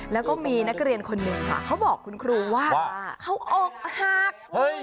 แล้วก็มีนักเรียนคนหนึ่งค่ะเขาบอกคุณครูว่าเขาอกหัก